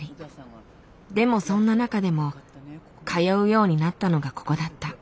でもそんな中でも通うようになったのがここだった。